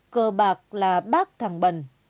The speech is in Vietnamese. cờ bạc là bác thằng bần